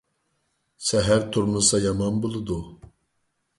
سەھەر تۇرمىسا يامان بولىدۇ.